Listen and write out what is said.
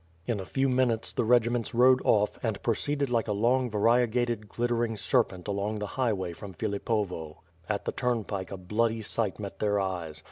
In a few minutes the regiments rode off, and pro ceeded like a long variegated glittering serpent along the highway from Philipovo. At the turnpike, a bloody sight met their eyes.